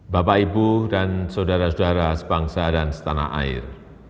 bapak ibu dan saudara saudara sebangsa dan setanah air